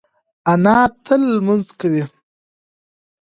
انا تل لمونځ کوي